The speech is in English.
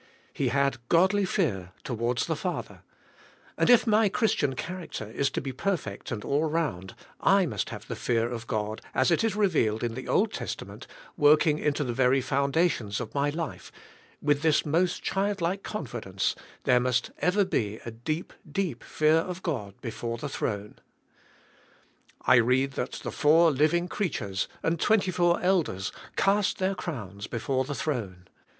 He had godly fear towards the Father, and if my Christian character is to be perfect and all around, I must have the fear of God as it is revealed in the Old Testament, working into the very foundations of my life, with this most child like confidence there must ever be a deep, deep fear of God before the CHRIST BRINGING US TO GOD. 131 throne. I read that the four living creatures and twenty four elders cast their crowns before the throne.